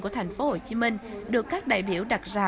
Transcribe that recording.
của thành phố hồ chí minh được các đại biểu đặt ra